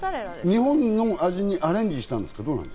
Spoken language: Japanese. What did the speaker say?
日本の味にアレンジしたんですか？